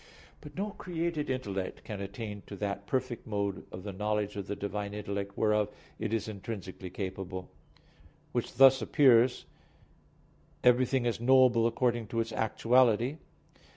But no created intellect can attain to that perfect mode of the knowledge of the Divine intellect whereof it is intrinsically capable. Which thus appears Everything is knowable according to its actuality.